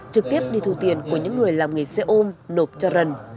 trực tiếp đi thu tiền của những người làm nghề xe ôm nộp cho trần